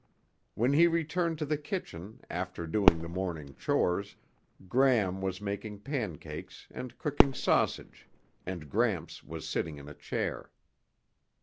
When he returned to the kitchen after doing the morning chores, Gram was making pancakes and cooking sausage and Gramps was sitting in a chair.